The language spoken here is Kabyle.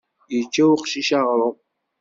Yečča uqcic aɣrum.